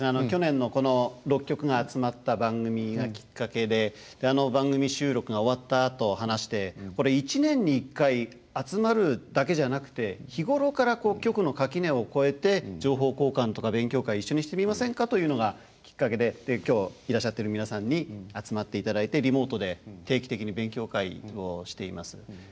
去年のこの６局が集まった番組がきっかけであの番組収録が終わったあと話してこれ１年に１回集まるだけじゃなくて日頃から局の垣根を越えて情報交換とか勉強会一緒にしてみませんかというのがきっかけで今日いらっしゃってる皆さんに集まって頂いてリモートで定期的に勉強会をしています。